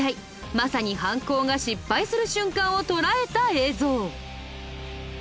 まさに犯行が失敗する瞬間を捉えた映像。